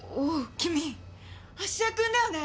君芦屋君だよね？